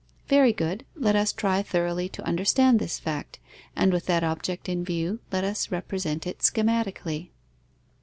Very good. Let us try thoroughly to understand this fact, and with that object in view, let us represent it schematically.